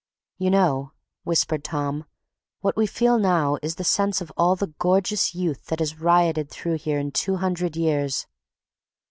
"You know," whispered Tom, "what we feel now is the sense of all the gorgeous youth that has rioted through here in two hundred years."